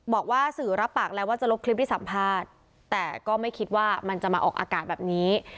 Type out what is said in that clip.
บอกว่าสื่อรับปากแล้วว่าจะลบคลิปให้สัมภาษณ์แต่ก็ไม่คิดว่ามันจะมาออกอากาศแบบนี้